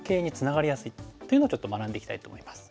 っていうのをちょっと学んでいきたいと思います。